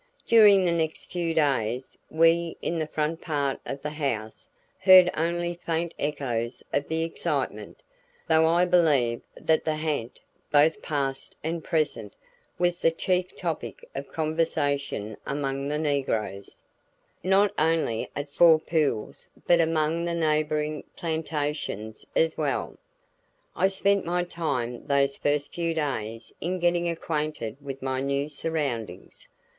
During the next few days we in the front part of the house heard only faint echoes of the excitement, though I believe that the ha'nt, both past and present, was the chief topic of conversation among the negroes, not only at Four Pools but among the neighboring plantations as well. I spent my time those first few days in getting acquainted with my new surroundings.